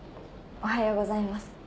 おはようございます。